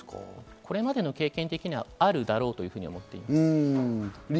これまでの経験的にはあるだろうと思っています。